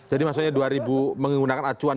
jadi maksudnya dua ribu menggunakan acuan